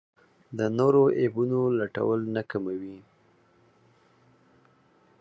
د نورو عیبونو لټول نه کموي.